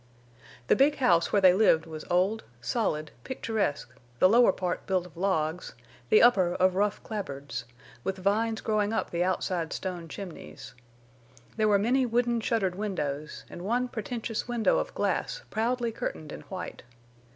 The big house where they lived was old, solid, picturesque, the lower part built of logs, the upper of rough clapboards, with vines growing up the outside stone chimneys. There were many wooden shuttered windows, and one pretentious window of glass proudly curtained in white.